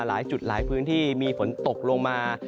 หลายจุดหลายพื้นที่มีฝนตกลงมา